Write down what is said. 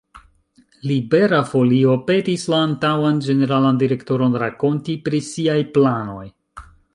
Libera Folio petis la antaŭan ĝeneralan direktoron rakonti pri siaj planoj.